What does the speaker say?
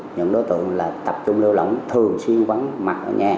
những đối tượng là tập trung lưu lỏng thường xuyên vắng mặt ở nhà